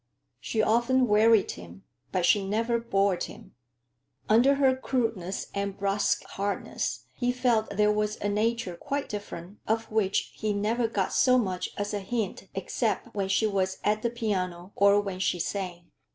She often wearied him, but she never bored him. Under her crudeness and brusque hardness, he felt there was a nature quite different, of which he never got so much as a hint except when she was at the piano, or when she sang.